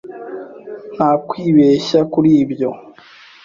Nta kwibeshya kuri ibyo.